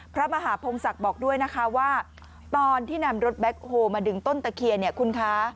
พระมหาพงศักดิ์บอกด้วยนะคะว่าตอนที่นำรถแบ็คโฮลมาดึงต้นตะเคียนเนี่ยคุณคะ